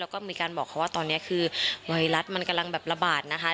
แล้วก็มีการบอกเขาว่าตอนนี้คือไวรัสมันกำลังแบบระบาดนะคะ